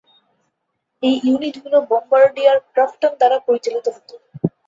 এই ইউনিটগুলো Bombardier Crofton দ্বারা পরিচালিত হতো।